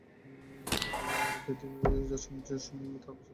একাত্তরের রোজার ঈদের দিন জসিম তাঁর বাসা থেকে পোলাও-কোরমা খেয়ে চলে যান।